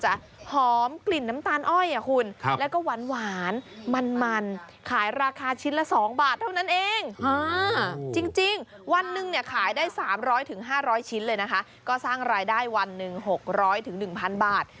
๓๐๐๕๐๐ชิ้นเลยนะคะก็สร้างรายได้วันหนึ่ง๖๐๐๑๐๐๐บาท